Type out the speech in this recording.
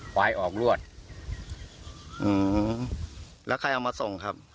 ควายออกรวดอืมแล้วใครเอามาส่งครับ